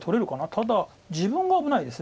ただ自分が危ないです。